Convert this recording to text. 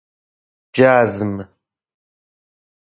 جذم